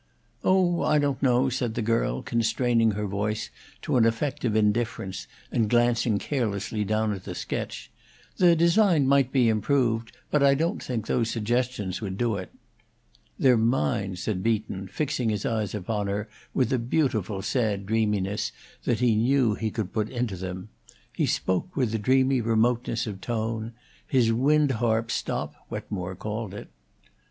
"Oh, I don't know," said the girl, constraining her voice to an effect of indifference and glancing carelessly down at the sketch. "The design might be improved; but I don't think those suggestions would do it." "They're mine," said Beaton, fixing his eyes upon her with a beautiful sad dreaminess that he knew he could put into them; he spoke with a dreamy remoteness of tone his wind harp stop, Wetmore called it.